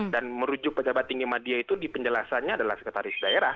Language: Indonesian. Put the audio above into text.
dan merujuk pejabat tinggi media itu di penjelasannya adalah sekretaris daerah